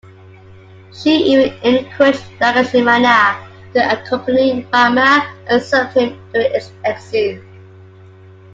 She even encouraged Lakshmana to accompany Rama and serve him during his exile.